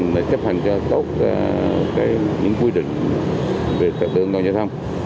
để chấp hành cho tốt những quy định về tập đường giao thông